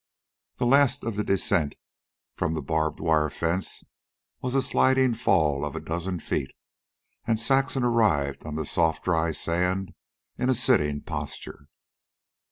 The last of the descent, from the barbed wire fence, was a sliding fall of a dozen feet, and Saxon arrived on the soft dry sand in a sitting posture.